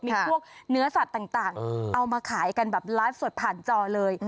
มีพวกเนื้อสัตว์ต่างเอามาขายกันแบบไลฟ์สดผ่านจอเลย